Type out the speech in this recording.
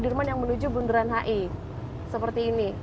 sudirman yang menuju bundaran hi seperti ini